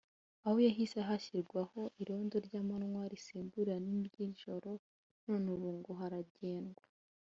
aho hahise hashyirwaho irondo ry’amanywa risimburana n’iry’ijoro none ubu ngo haragendwa